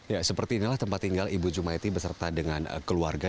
ya seperti inilah tempat tinggal ibu ⁇ maeti beserta dengan keluarga